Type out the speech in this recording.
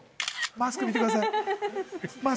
マスク見てください。